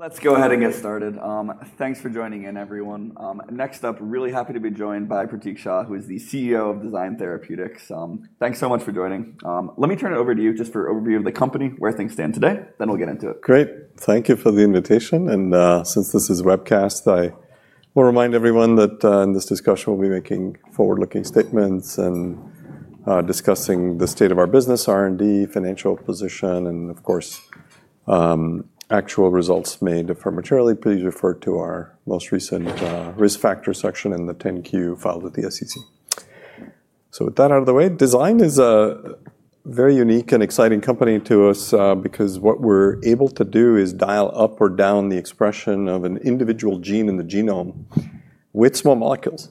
Let's go ahead and get started. Thanks for joining in, everyone. Next up, really happy to be joined by Pratik Shah, who is the CEO of Design Therapeutics. Thanks so much for joining. Let me turn it over to you just for an overview of the company, where things stand today. Then we'll get into it. Great. Thank you for the invitation, and since this is a webcast, I will remind everyone that in this discussion, we'll be making forward-looking statements and discussing the state of our business, R&D, financial position, and, of course, actual results made affirmatively. Please refer to our most recent risk factor section in the 10-Q filed with the SEC, so with that out of the way, Design Therapeutics is a very unique and exciting company to us because what we're able to do is dial up or down the expression of an individual gene in the genome with small molecules,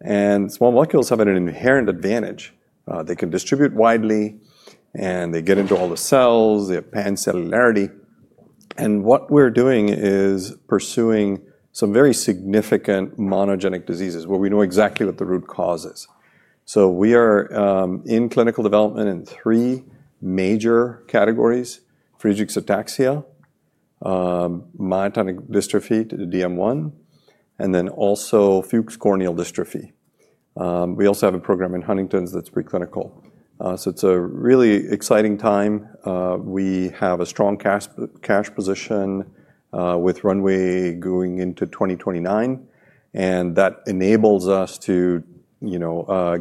and small molecules have an inherent advantage. They can distribute widely, and they get into all the cells. They have pan-cellularity, and what we're doing is pursuing some very significant monogenic diseases where we know exactly what the root cause is. We are in clinical development in three major categories: Friedreich's ataxia, myotonic dystrophy, or the DM1, and then also Fuchs' corneal dystrophy. We also have a program in Huntington's that's preclinical. It's a really exciting time. We have a strong cash position with runway going into 2029. That enables us to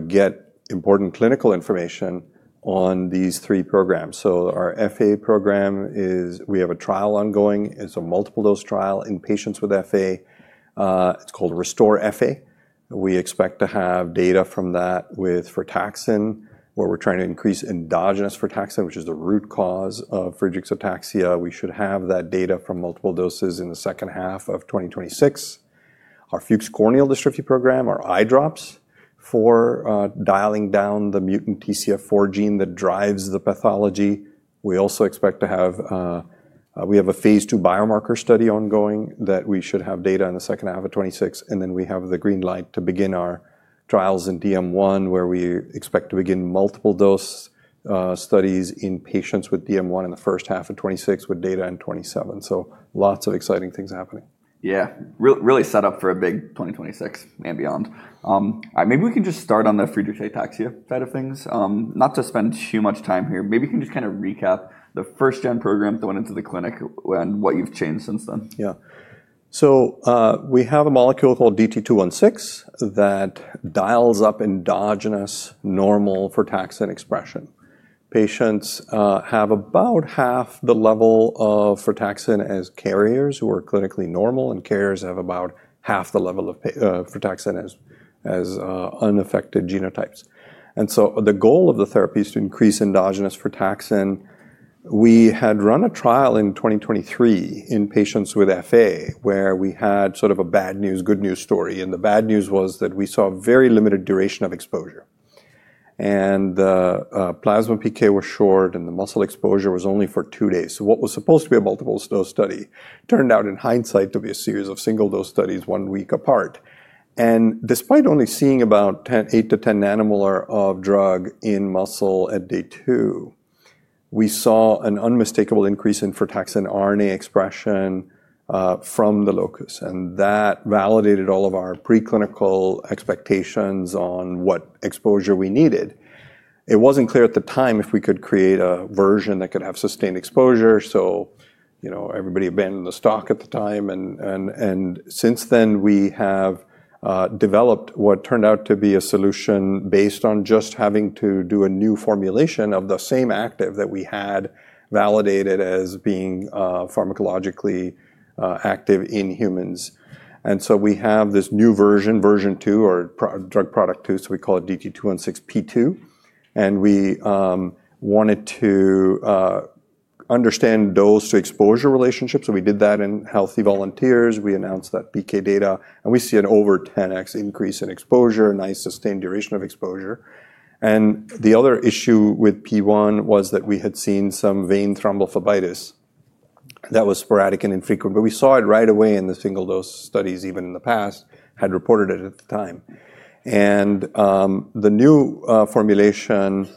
get important clinical information on these three programs. Our FA program is we have a trial ongoing. It's a multiple-dose trial in patients with FA. It's called RESTORE-FA. We expect to have data from that with frataxin, where we're trying to increase endogenous frataxin, which is the root cause of Friedreich ataxia. We should have that data from multiple doses in the second half of 2026. Our Fuchs corneal dystrophy program, our eye drops for dialing down the mutant TCF4 gene that drives the pathology. We also expect to have a phase two biomarker study ongoing that we should have data on the second half of 2026. And then we have the green light to begin our trials in DM1, where we expect to begin multiple dose studies in patients with DM1 in the first half of 2026 with data in 2027. So lots of exciting things happening. Yeah, really set up for a big 2026 and beyond. Maybe we can just start on the Friedreich ataxia side of things, not to spend too much time here. Maybe you can just kind of recap the first-gen program that went into the clinic and what you've changed since then. Yeah, so we have a molecule called DT-216 that dials up endogenous normal frataxin expression. Patients have about half the level of frataxin as carriers who are clinically normal, and carriers have about half the level of frataxin as unaffected genotypes, and so the goal of the therapy is to increase endogenous frataxin. We had run a trial in 2023 in patients with FA, where we had sort of a bad news, good news story, and the bad news was that we saw very limited duration of exposure, and the plasma PK was short, and the muscle exposure was only for two days, so what was supposed to be a multiple dose study turned out in hindsight to be a series of single-dose studies one week apart. Despite only seeing about 8 nm to 10 nm of drug in muscle at day two, we saw an unmistakable increase in frataxin RNA expression from the locus. That validated all of our preclinical expectations on what exposure we needed. It wasn't clear at the time if we could create a version that could have sustained exposure. Everybody abandoned the stock at the time. Since then, we have developed what turned out to be a solution based on just having to do a new formulation of the same active that we had validated as being pharmacologically active in humans. We have this new version, version two, or drug product two. We call it DT-216P2. We wanted to understand dose-to-exposure relationships. We did that in healthy volunteers. We announced that PK data. We see an over 10x increase in exposure, nice sustained duration of exposure. The other issue with P1 was that we had seen some vein thrombophlebitis that was sporadic and infrequent. But we saw it right away in the single-dose studies, even in the past, had reported it at the time. And the new formulation,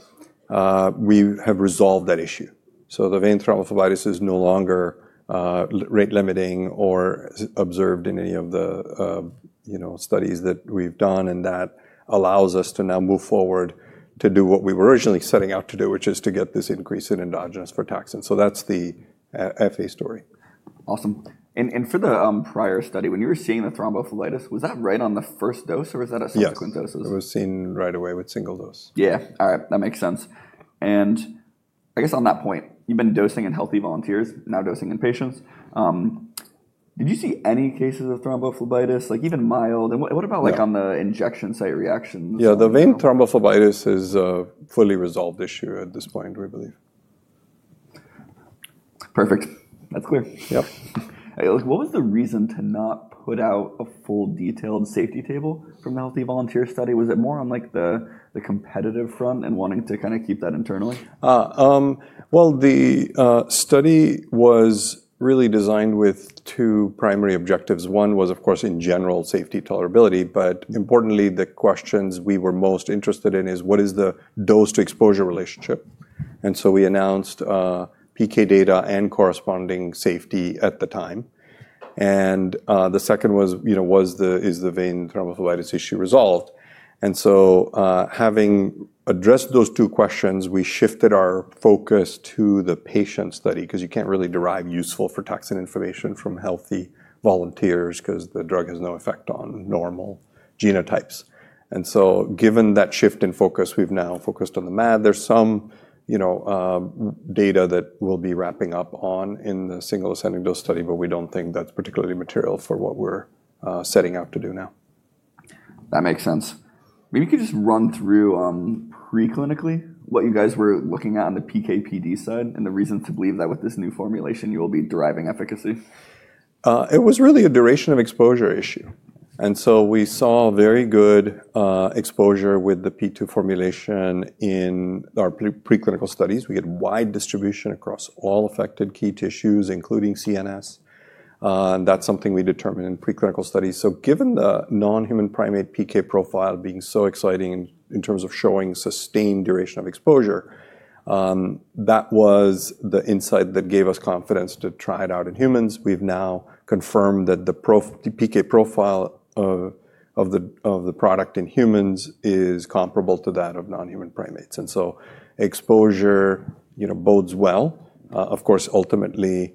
we have resolved that issue. So the vein thrombophlebitis is no longer rate limiting or observed in any of the studies that we've done. And that allows us to now move forward to do what we were originally setting out to do, which is to get this increase in endogenous frataxin. So that's the FA story. Awesome. And for the prior study, when you were seeing the thrombophlebitis, was that right on the first dose, or was that a subsequent dose? Yeah, it was seen right away with single dose. Yeah. All right. That makes sense. And I guess on that point, you've been dosing in healthy volunteers, now dosing in patients. Did you see any cases of thrombophlebitis, like even mild? And what about on the injection site reactions? Yeah, the vein thrombophlebitis is a fully resolved issue at this point, we believe. Perfect. That's clear. Yep. What was the reason to not put out a full detailed safety table from the healthy volunteer study? Was it more on the competitive front and wanting to kind of keep that internally? The study was really designed with two primary objectives. One was, of course, in general, safety, tolerability. Importantly, the questions we were most interested in is, what is the dose-to-exposure relationship? We announced PK data and corresponding safety at the time. The second was, is the vein thrombophlebitis issue resolved? Having addressed those two questions, we shifted our focus to the patient study because you can't really derive useful frataxin information from healthy volunteers because the drug has no effect on normal genotypes. Given that shift in focus, we've now focused on the MAD. There's some data that we'll be wrapping up on in the single-center dose study, but we don't think that's particularly material for what we're setting out to do now. That makes sense. Maybe you could just run through preclinically what you guys were looking at on the PK/PD side and the reason to believe that with this new formulation, you will be deriving efficacy. It was really a duration of exposure issue. And so we saw very good exposure with the P2 formulation in our preclinical studies. We had wide distribution across all affected key tissues, including CNS. And that's something we determined in preclinical studies. So given the non-human primate PK profile being so exciting in terms of showing sustained duration of exposure, that was the insight that gave us confidence to try it out in humans. We've now confirmed that the PK profile of the product in humans is comparable to that of non-human primates. And so exposure bodes well. Of course, ultimately,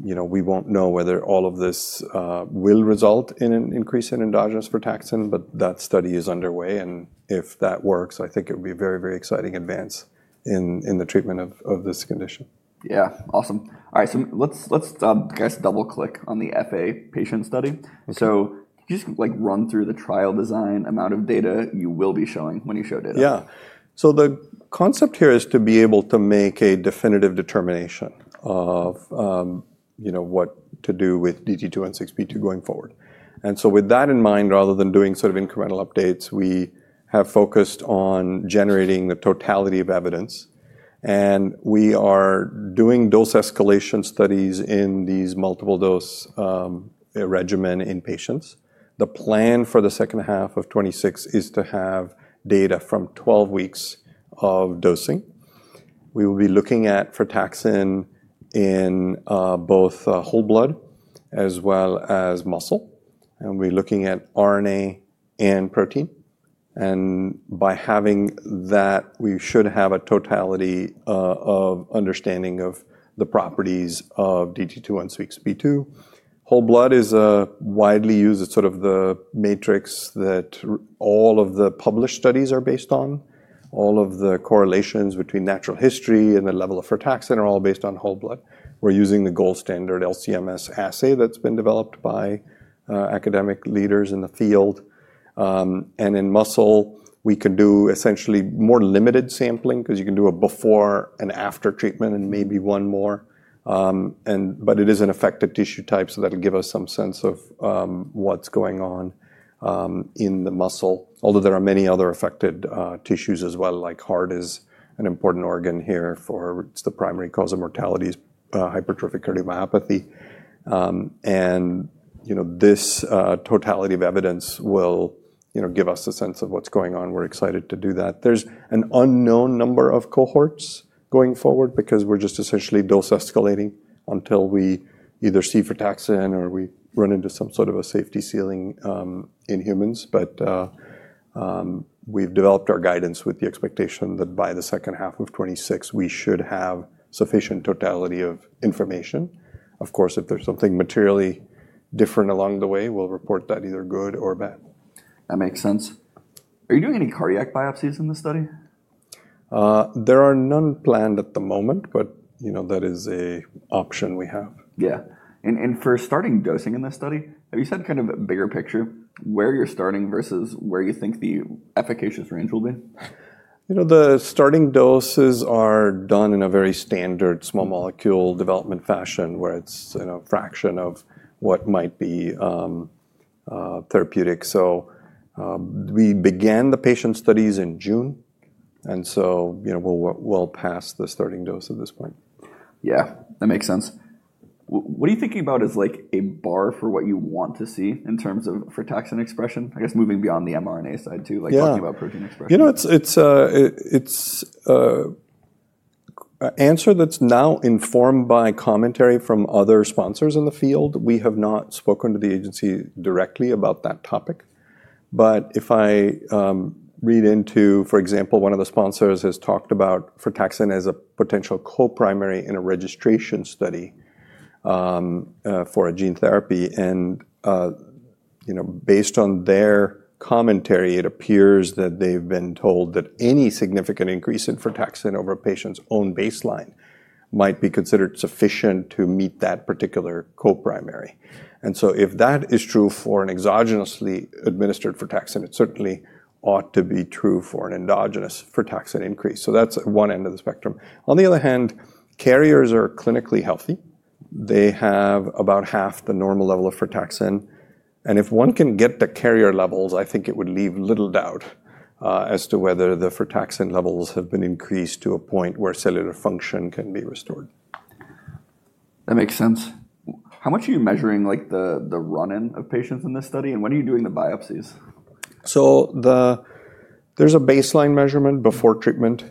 we won't know whether all of this will result in an increase in endogenous frataxin, but that study is underway. And if that works, I think it would be a very, very exciting advance in the treatment of this condition. Yeah. Awesome. All right. So let's, guys, double-click on the FA patient study. So could you just run through the trial design, amount of data you will be showing when you show data? Yeah. So the concept here is to be able to make a definitive determination of what to do with DT-216P2 going forward, and so with that in mind, rather than doing sort of incremental updates, we have focused on generating the totality of evidence, and we are doing dose escalation studies in these multiple-dose regimen in patients. The plan for the second half of 2026 is to have data from 12 weeks of dosing. We will be looking at frataxin in both whole blood as well as muscle, and we're looking at RNA and protein, and by having that, we should have a totality of understanding of the properties of DT-216P2. Whole blood is widely used. It's sort of the matrix that all of the published studies are based on. All of the correlations between natural history and the level of frataxin are all based on whole blood. We're using the gold standard LC-MS assay that's been developed by academic leaders in the field. And in muscle, we can do essentially more limited sampling because you can do a before and after treatment and maybe one more. But it is an affected tissue type, so that'll give us some sense of what's going on in the muscle. Although there are many other affected tissues as well, like heart is an important organ here for it's the primary cause of mortality is hypertrophic cardiomyopathy. And this totality of evidence will give us a sense of what's going on. We're excited to do that. There's an unknown number of cohorts going forward because we're just essentially dose escalating until we either see frataxin or we run into some sort of a safety ceiling in humans. But we've developed our guidance with the expectation that by the second half of 2026, we should have sufficient totality of information. Of course, if there's something materially different along the way, we'll report that either good or bad. That makes sense. Are you doing any cardiac biopsies in this study? There are none planned at the moment, but that is an option we have. Yeah. And for starting dosing in this study, have you said kind of a bigger picture where you're starting versus where you think the efficacious range will be? The starting doses are done in a very standard small molecule development fashion where it's a fraction of what might be therapeutic. So we began the patient studies in June. And so we'll pass the starting dose at this point. Yeah. That makes sense. What are you thinking about as a bar for what you want to see in terms of frataxin expression? I guess moving beyond the mRNA side too, like talking about protein expression. You know, it's an answer that's now informed by commentary from other sponsors in the field. We have not spoken to the agency directly about that topic. But if I read into, for example, one of the sponsors has talked about frataxin as a potential co-primary in a registration study for a gene therapy. And based on their commentary, it appears that they've been told that any significant increase in frataxin over a patient's own baseline might be considered sufficient to meet that particular co-primary. And so if that is true for an exogenously administered frataxin, it certainly ought to be true for an endogenous frataxin increase. So that's one end of the spectrum. On the other hand, carriers are clinically healthy. They have about half the normal level of frataxin. And if one can get the carrier levels, I think it would leave little doubt as to whether the frataxin levels have been increased to a point where cellular function can be restored. That makes sense. How much are you measuring the run-in of patients in this study? And when are you doing the biopsies? There's a baseline measurement before treatment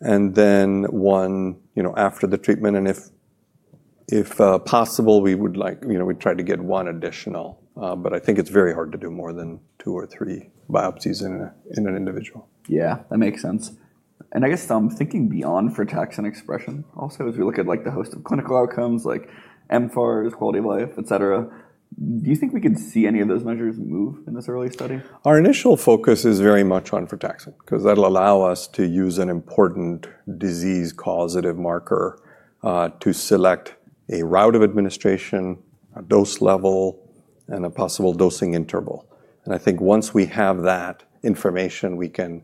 and then one after the treatment. If possible, we would like we'd try to get one additional. I think it's very hard to do more than two or three biopsies in an individual. Yeah. That makes sense. And I guess I'm thinking beyond frataxin expression also as we look at the host of clinical outcomes like mFARS, quality of life, et cetera. Do you think we could see any of those measures move in this early study? Our initial focus is very much on frataxin because that'll allow us to use an important disease causative marker to select a route of administration, a dose level, and a possible dosing interval. And I think once we have that information, we can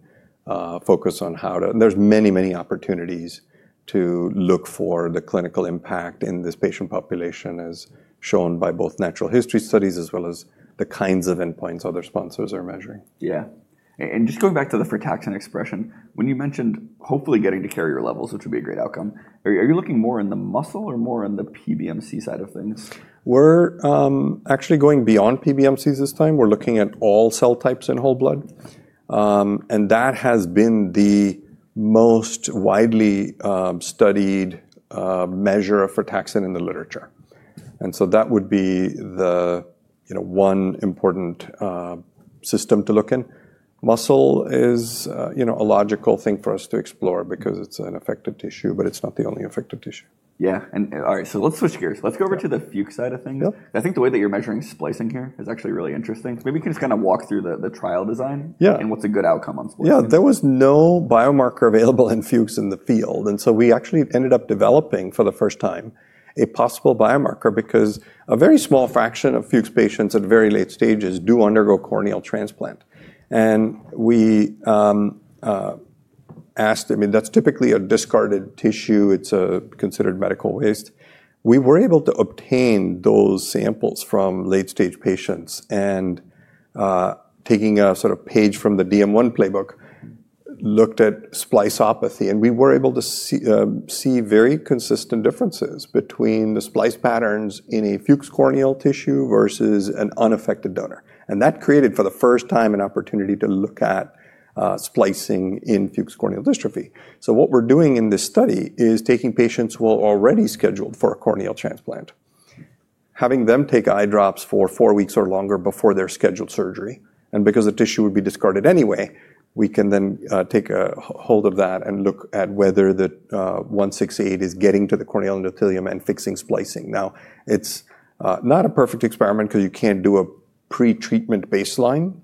focus on how. There's many, many opportunities to look for the clinical impact in this patient population as shown by both natural history studies as well as the kinds of endpoints other sponsors are measuring. Yeah. And just going back to the frataxin expression, when you mentioned hopefully getting to carrier levels, which would be a great outcome, are you looking more in the muscle or more in the PBMC side of things? We're actually going beyond PBMCs this time. We're looking at all cell types in whole blood. And that has been the most widely studied measure of frataxin in the literature. And so that would be the one important system to look in. Muscle is a logical thing for us to explore because it's an affected tissue, but it's not the only affected tissue. Yeah. And all right. So let's switch gears. Let's go over to the Fuchs' side of things. I think the way that you're measuring splicing here is actually really interesting. Maybe you can just kind of walk through the trial design and what's a good outcome on splicing. Yeah. There was no biomarker available in Fuchs in the field. And so we actually ended up developing for the first time a possible biomarker because a very small fraction of Fuchs patients at very late stages do undergo corneal transplant. And we asked, I mean, that's typically a discarded tissue. It's considered medical waste. We were able to obtain those samples from late-stage patients. And taking a sort of page from the DM1 playbook, looked at splicopathy. And we were able to see very consistent differences between the splice patterns in a Fuchs corneal tissue versus an unaffected donor. And that created for the first time an opportunity to look at splicing in Fuchs corneal dystrophy. So what we're doing in this study is taking patients who are already scheduled for a corneal transplant, having them take eye drops for four weeks or longer before their scheduled surgery. Because the tissue would be discarded anyway, we can then take hold of that and look at whether the 168 is getting to the corneal endothelium and fixing splicing. Now, it's not a perfect experiment because you can't do a pretreatment baseline.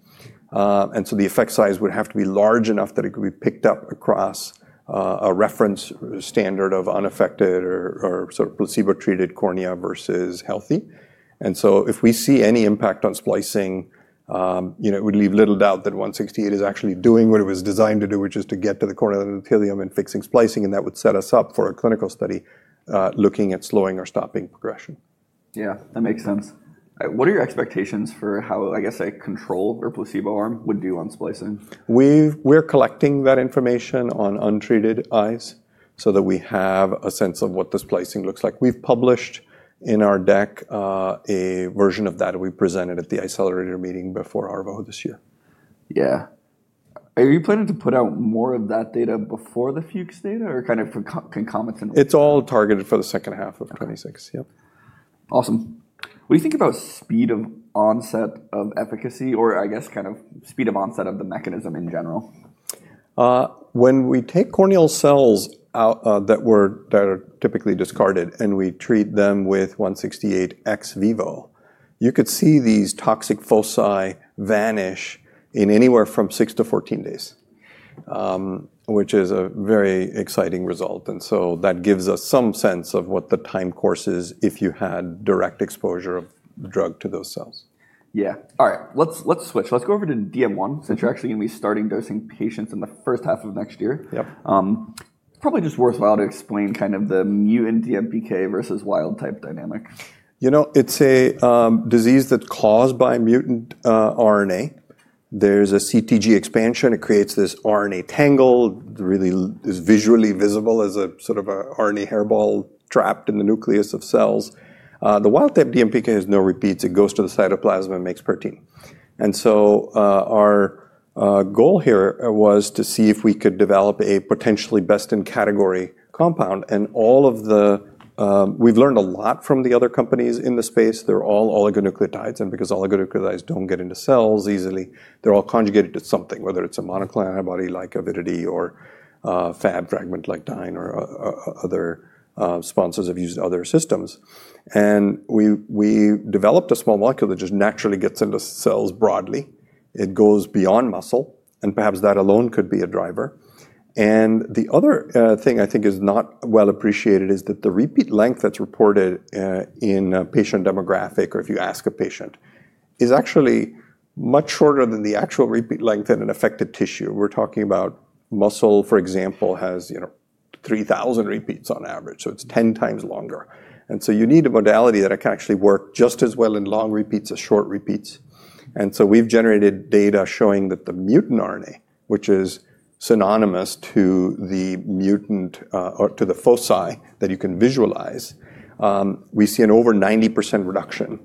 So the effect size would have to be large enough that it could be picked up across a reference standard of unaffected or sort of placebo-treated cornea versus healthy. So if we see any impact on splicing, it would leave little doubt that 168 is actually doing what it was designed to do, which is to get to the corneal endothelium and fixing splicing. That would set us up for a clinical study looking at slowing or stopping progression. Yeah. That makes sense. What are your expectations for how, I guess, a control or placebo arm would do on splicing? We're collecting that information on untreated eyes so that we have a sense of what the splicing looks like. We've published in our deck a version of that we presented at the accelerator meeting before our vote this year. Yeah. Are you planning to put out more of that data before the Fuchs data or kind of concomitant? It's all targeted for the second half of 2026. Yep. Awesome. What do you think about speed of onset of efficacy or, I guess, kind of speed of onset of the mechanism in general? When we take corneal cells that are typically discarded and we treat them with 168 ex-vivo, you could see these toxic foci vanish in anywhere from six to 14 days, which is a very exciting result. And so that gives us some sense of what the time course is if you had direct exposure of the drug to those cells. Yeah. All right. Let's switch. Let's go over to DM1 since you're actually going to be starting dosing patients in the first half of next year. Yep. Probably just worthwhile to explain kind of the mutant DMPK versus wild type dynamic. You know, it's a disease that's caused by mutant RNA. There's a CTG expansion. It creates this RNA tangle. It really is visually visible as a sort of an RNA hairball trapped in the nucleus of cells. The wild type DMPK has no repeats. It goes to the cytoplasm and makes protein. And so our goal here was to see if we could develop a potentially best-in-category compound. And we've learned a lot from the other companies in the space. They're all oligonucleotides. And because oligonucleotides don't get into cells easily, they're all conjugated to something, whether it's a monoclonal antibody like Avidity or Fab fragment like Dyne or other sponsors have used other systems. And we developed a small molecule that just naturally gets into cells broadly. It goes beyond muscle. And perhaps that alone could be a driver. The other thing I think is not well appreciated is that the repeat length that's reported in patient demographic, or if you ask a patient, is actually much shorter than the actual repeat length in an affected tissue. We're talking about muscle, for example, has 3,000 repeats on average. So it's 10 times longer. And so you need a modality that can actually work just as well in long repeats as short repeats. And so we've generated data showing that the mutant RNA, which is synonymous to the mutant or to the foci that you can visualize, we see an over 90% reduction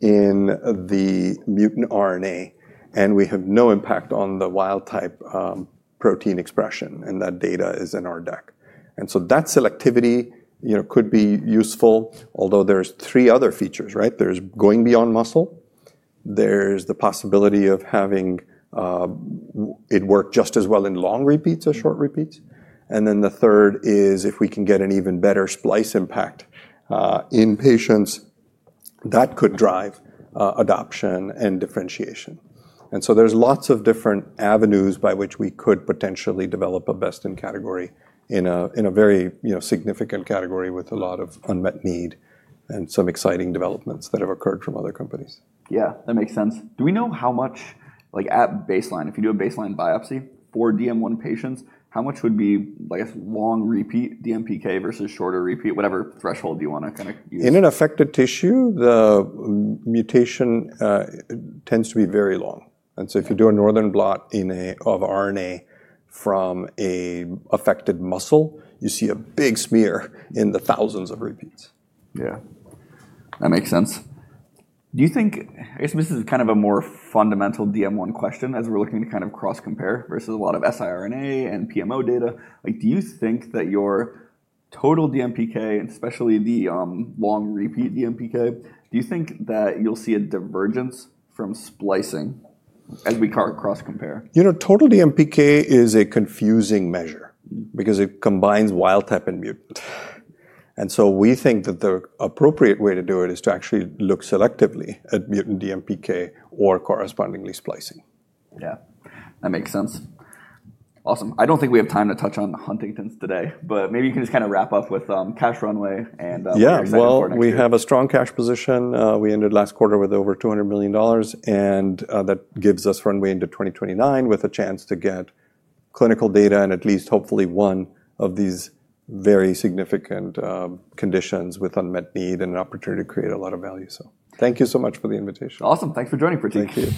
in the mutant RNA. And we have no impact on the wild type protein expression. And that data is in our deck. And so that selectivity could be useful, although there's three other features, right? There's going beyond muscle. There's the possibility of having it work just as well in long repeats or short repeats. And then the third is if we can get an even better splice impact in patients, that could drive adoption and differentiation. And so there's lots of different avenues by which we could potentially develop a best-in-category in a very significant category with a lot of unmet need and some exciting developments that have occurred from other companies. Yeah. That makes sense. Do we know how much, at baseline, if you do a baseline biopsy for DM1 patients, how much would be, I guess, long repeat DMPK versus shorter repeat, whatever threshold you want to kind of use? In an affected tissue, the mutation tends to be very long. And so if you do a Northern blot of RNA from an affected muscle, you see a big smear in the thousands of repeats. Yeah. That makes sense. Do you think, I guess this is kind of a more fundamental DM1 question as we're looking to kind of cross-compare versus a lot of siRNA and PMO data. Do you think that your total DMPK, especially the long repeat DMPK, do you think that you'll see a divergence from splicing as we cross-compare? You know, total DMPK is a confusing measure because it combines wild type and mutant. And so we think that the appropriate way to do it is to actually look selectively at mutant DMPK or correspondingly splicing. Yeah. That makes sense. Awesome. I don't think we have time to touch on the Huntington's today, but maybe you can just kind of wrap up with cash runway and executive ordinances. Yeah, well, we have a strong cash position. We ended last quarter with over $200 million, and that gives us runway into 2029 with a chance to get clinical data and at least hopefully one of these very significant conditions with unmet need and an opportunity to create a lot of value, so thank you so much for the invitation. Awesome. Thanks for joining, Pratik. Thank you.